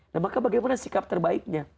nah maka bagaimana sikap terbaiknya